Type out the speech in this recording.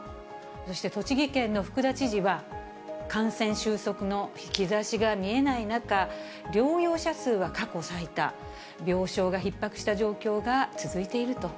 そして栃木県の福田知事は、感染収束の兆しが見えない中、療養者数は過去最多、病床がひっ迫した状況が続いていると。